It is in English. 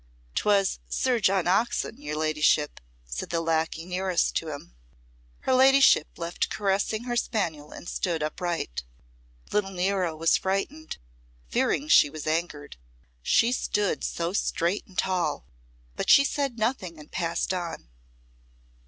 "'Twas Sir John Oxon, your ladyship," said the lacquey nearest to him. Her ladyship left caressing her spaniel and stood upright. Little Nero was frightened, fearing she was angered; she stood so straight and tall, but she said nothing and passed on.